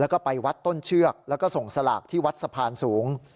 แล้วก็ไปวัดต้นเชือกแล้วก็ส่งสลากที่วัดสะพานสูง